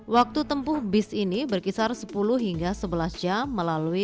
waktu tempuh bis ini berkisar sepuluh hingga sebelas jam melalui